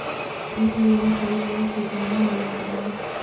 نن يې راته وويل، چي جانان مه يادوه